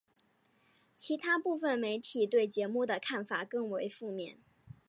其它部分媒体对节目的看法更为负面。